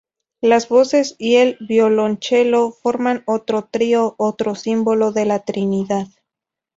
Las voces y el violonchelo forman otro trío, otro símbolo de la Trinidad.